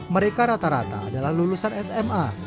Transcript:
mereka rata rata adalah lulusan sma